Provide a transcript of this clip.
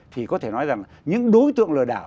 thì có thể nói rằng những đối tượng lừa đảo